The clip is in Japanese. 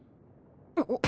あっ。